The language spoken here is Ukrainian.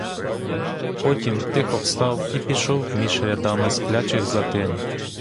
Потім тихо встав і пішов між рядами сплячих за тин.